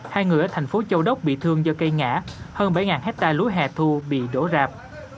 hai người ở thành phố châu đốc bị thương do cây ngã hơn bảy hectare lúa hẻ thu bị đổ rạp